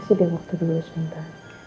kasih dia waktu dulu sebentar